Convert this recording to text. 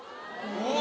うわ！